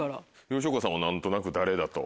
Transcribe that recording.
吉岡さんは何となく誰だと？